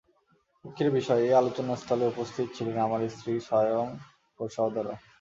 দুঃখের বিষয়, এই আলোচনাস্থলে উপস্থিত ছিলেন আমার স্ত্রী, স্বয়ং ওর সহোদরা।